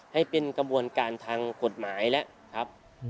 ให้เป็นกระบวนการทางกฎหมายแล้วครับ